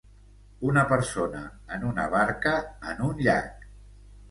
Una persona en una barca en un llac.